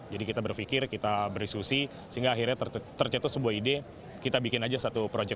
jadi kita berpikir kita berdiskusi sehingga akhirnya tercetak sebuah ide kita bikin aja satu proyek